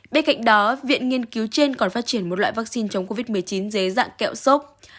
bên cạnh đó viện nghiên cứu trên còn phát triển một loại vaccine chống covid một mươi chín dưới dạng kẹo sốt